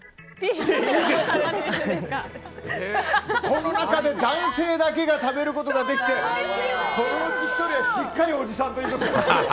この中で男性だけが食べることができてそのうち１人はしっかりおじさんということで。